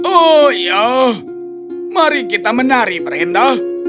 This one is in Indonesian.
oh ya mari kita menari berenda